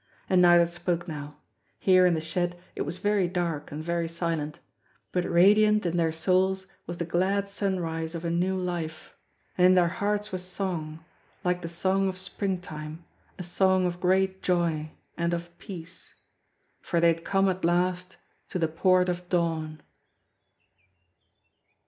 And neither spoke now. Here in the shed it was very dark and very silent ; but radiant in their souls was the glad sunrise of a new life, and in their hearts was song, like the song of springtime, a song of great joy, and of peace. For they had come at last to the Port of Dawn.